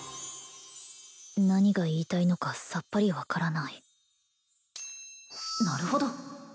何が言いたいのかさっぱり分からないなるほど！